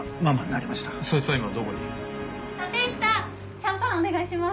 シャンパンお願いします。